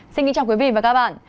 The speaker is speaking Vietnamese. xin kính chào quý vị và các bạn